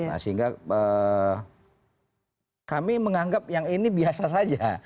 nah sehingga kami menganggap yang ini biasa saja